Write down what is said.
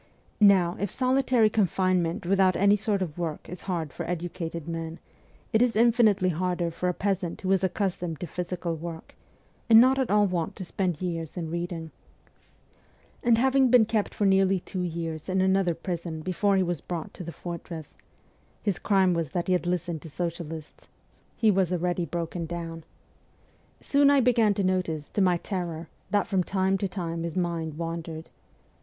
Now, if solitary confinement without any sort of work is hard for educated men, it is infinitely harder for a peasant who is accustomed to physical work, and not at all wont to spend years in reading. Our peasant friend felt quite miserable, and having been kept for nearly two years in another prison before he was brought to the fortress his crime was that he had listened to socialists he was already 160 MEMOIRS OF A REVOLUTIONIST broken down. Soon I began to notice, to my terror, that from time to time his mind wandered.